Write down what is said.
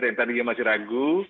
yang tadi masih ragu